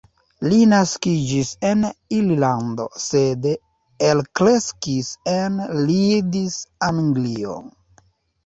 Li naskiĝis en Irlando, sed elkreskis en Leeds, Anglio.